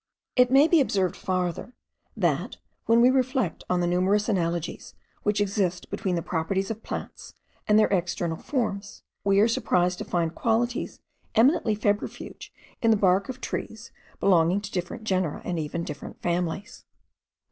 It may be observed farther, that, when we reflect on the numerous analogies which exist between the properties of plants and their external forms, we are surprised to find qualities eminently febrifuge in the bark of trees belonging to different genera, and even different families.